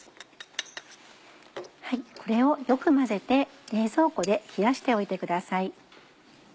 これをよく混ぜて冷蔵庫で冷やしておいてください。